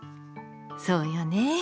そうよね。